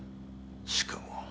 しかも。